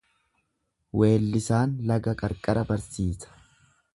Weellisaan laga qarqara barsiisa.